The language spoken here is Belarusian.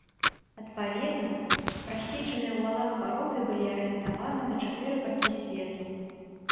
Адпаведна, прасечаныя ў валах вароты былі арыентаваны на чатыры бакі свету.